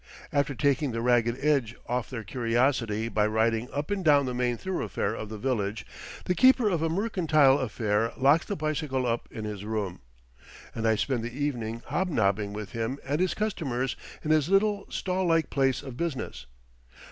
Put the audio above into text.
After taking the ragged edge off their curiosity by riding up and down the main thoroughfare of the village, the keeper of a mercantile affair locks the bicycle up in his room, and I spend the evening hobnobbing with him and his customers in his little stall like place of business.